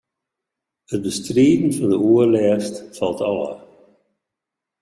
It bestriden fan de oerlêst falt ôf.